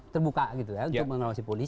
terbuka untuk mengawasi polisi